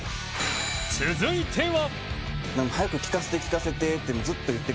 続いては